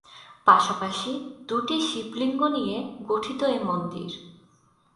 পাশাপাশি দু’টি শিব লিঙ্গ নিয়ে গঠিত এ মন্দির।